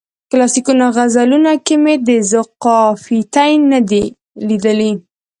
کلاسیکو غزلونو کې مې ذوقافیتین نه دی لیدلی.